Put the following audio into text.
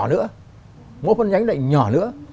mỗi một phần nhánh lại nhỏ nữa